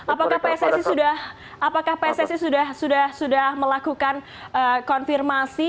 apakah pssi sudah melakukan konfirmasi